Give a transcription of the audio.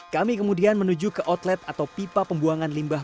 kami kemudian menuju ke outlet atau pipa pembuangan limbah